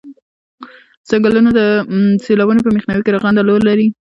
څنګلونه د سیلابونو په مخنیوي کې رغنده رول لري